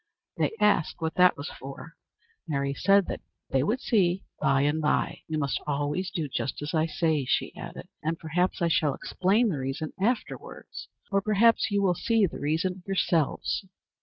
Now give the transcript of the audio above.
They asked what that was for. Mary said that they would see by and by. "You must always do just as I say," she added, "and perhaps I shall explain the reason afterwards, or perhaps you will see what the reason is yourselves."